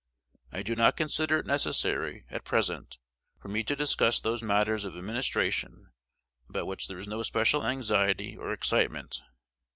I do not consider it necessary, at present, for me to discuss those matters of administration about which there is no special anxiety or excitement.